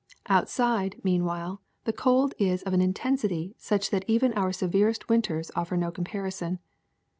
Outside, meanwhile, the cold is of an intensity such that even our severest winters offer no comparison.